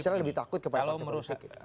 misalnya lebih takut kepada partai politik